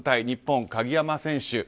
日本、鍵山選手